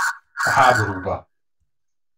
A háborúba!